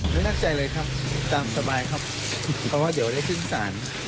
ไม่แน่ใจเลยครับตามสบายครับเพราะว่าเดี๋ยวได้ขึ้นศาล